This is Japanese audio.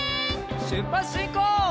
しゅっぱつしんこう！